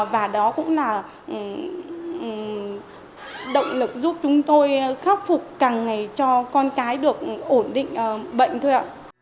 và đó cũng là động lực giúp chúng tôi khắc phục càng ngày cho con cái được ổn định bệnh thôi ạ